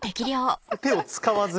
手を使わずに。